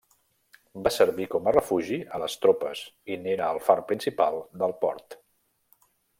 Va servir com a refugi a les tropes i n'era el far principal del port.